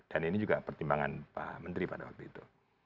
dan ini juga pertimbangan pak menteri pada waktu itu